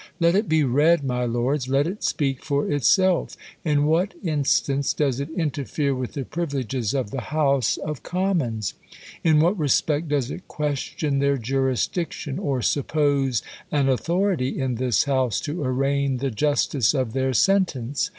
Let it be read, my lords ; let it speak for itself. In what instance does it interfere with the privileges of the House THE COLUMBIAN ORATOR. 167 House of Commons ? In what respect does it question their jurisdiction, or suppose an authority io this House lo arraign the justice of their sentence